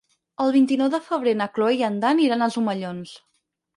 El vint-i-nou de febrer na Cloè i en Dan iran als Omellons.